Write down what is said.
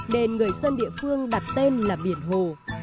nên người dân địa phương đặt tên là biển hồ